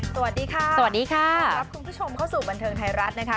สวัสดีค่ะสวัสดีค่ะต้อนรับคุณผู้ชมเข้าสู่บันเทิงไทยรัฐนะคะ